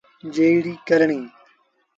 جيڙي ڪرڻيٚ۔